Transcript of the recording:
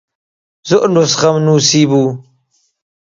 زۆر نوسخەم نووسیبۆوە